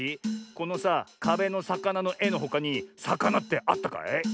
このさかべのさかなのえのほかにさかなってあったかい？